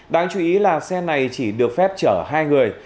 đáng chú ý là xe này chỉ được phép chở hai người